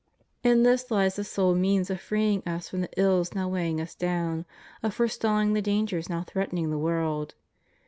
In this hes the sole means of freeing us from the ills now weighing us down, of forestalling the dangers now threatening the world.